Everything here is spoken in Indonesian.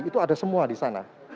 itu ada semua di sana